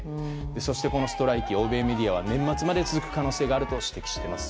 そして、このストライキ欧米メディアは年末まで続く可能性があると指摘しています。